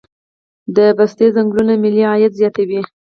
د پستې ځنګلونه ملي عاید زیاتوي